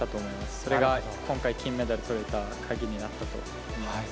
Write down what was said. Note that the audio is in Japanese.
それが今回、金メダルとれたというか、鍵になったと思います。